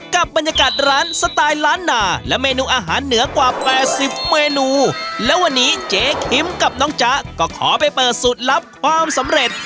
กับบรรยากาศร้านสไตล์ล้านนาและเมนูอาหารเหนือกว่าแปดสิบเมนูและวันนี้เจ๊คิมกับน้องจ๊ะก็ขอไปเปิดสูตรลับความสำเร็จ